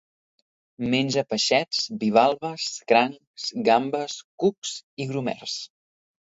Menja peixets, bivalves, crancs, gambes, cucs i grumers.